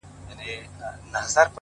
• چي يې جوړي سوي سوي غلبلې كړې ,